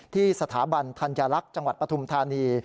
ที่สถาบันธัญลักษณ์จังหวัดปฐุมธานี